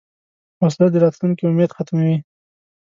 وسله د راتلونکې امید ختموي